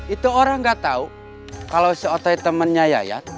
itu orang gak tau kalau si otoy temennya yayat